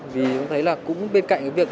vì chúng thấy là cũng bên cạnh cái việc